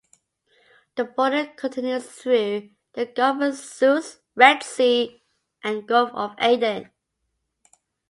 The border continues through the Gulf of Suez, Red Sea and Gulf of Aden.